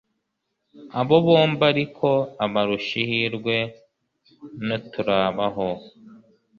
abo bombi ariko, ubarusha ihirwe, ni utarabaho